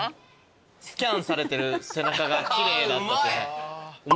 スキャンされてる背中が奇麗だった。